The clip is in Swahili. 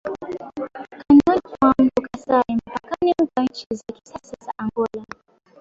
kandoni kwa mto Kasai mpakani kwa nchi za kisasa za Angola